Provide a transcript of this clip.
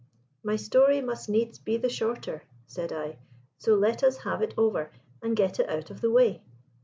"My story must needs be the shorter," said I; "so let us have it over and get it out of the way.